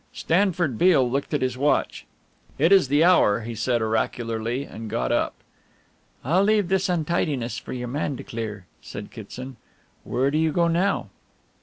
Stanford Beale looked at his watch. "It is the hour," he said oracularly, and got up. "I'll leave this untidiness for your man to clear," said Kitson. "Where do you go now?"